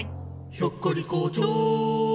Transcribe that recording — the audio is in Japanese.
「ひょっこり校長」